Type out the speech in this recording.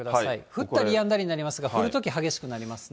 降ったりやんだりになりますが、降るとき、激しくなりますね。